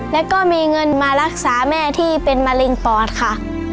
แล้วก็มีเงินมารักษาแม่ที่เป็นมะเร็งปอดค่ะ